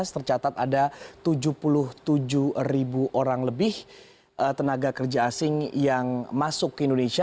tercatat ada tujuh puluh tujuh ribu orang lebih tenaga kerja asing yang masuk ke indonesia